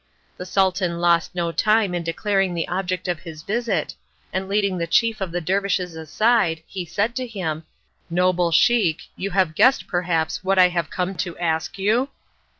The Sultan lost no time in declaring the object of his visit, and leading the chief of the dervishes aside, he said to him, "Noble scheik, you have guessed perhaps what I have come to ask you?"